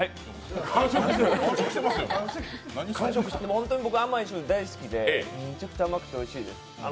本当に僕、甘い醤油大好きでめちゃくちゃ甘くておいしいです。